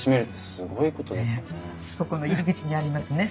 そこの入り口にありますね